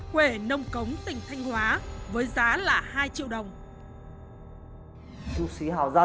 huệ nông cống tây nguyên